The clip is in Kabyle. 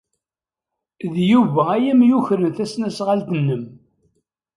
D Yuba ay am-yukren tasnasɣalt-nnem.